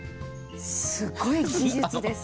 すごい技術ですよ。